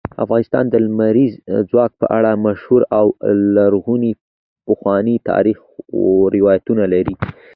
افغانستان د لمریز ځواک په اړه مشهور او لرغوني پخواني تاریخی روایتونه لري.